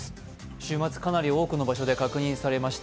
週末かなり多くの場所で確認されました。